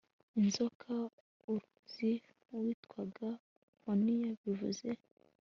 inzoka. uruzi rwitwaga honia, bivuze